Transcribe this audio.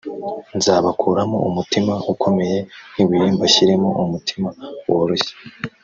, nzabakuramo umutima ukomeye nk’ibuye mbashyiremo umutima woroshye